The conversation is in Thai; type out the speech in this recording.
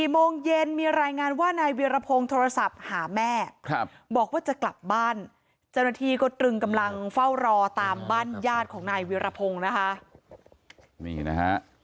โมงเย็นมีรายงานว่านายเวียรพงศ์โทรศัพท์หาแม่บอกว่าจะกลับบ้านเจ้าหน้าที่ก็ตรึงกำลังเฝ้ารอตามบ้านญาติของนายเวียรพงศ์นะคะนี่นะฮะ